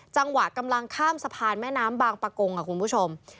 จังหวะกำลังค่ามสะพานแม่น้ำบางปลากงค่ะคุณผู้ชม